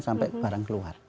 sampai barang keluar